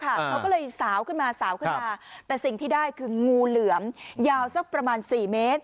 เขาก็เลยสาวขึ้นมาสาวขึ้นมาแต่สิ่งที่ได้คืองูเหลือมยาวสักประมาณ๔เมตร